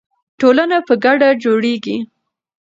ټولنه په ګډه جوړیږي.